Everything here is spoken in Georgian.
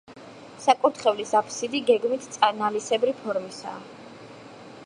საკურთხევლის აფსიდი გეგმით ნალისებრი ფორმისაა.